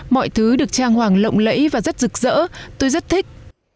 mọi thứ được trang hoàng lộng lẫy và rất rực rỡ tôi rất thích